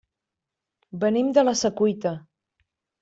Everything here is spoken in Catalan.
Venim de la Secuita.